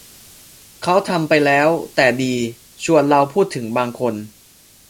เขาทำไปแล้ว แต่ดี ชวนเราพูดถึงบางคน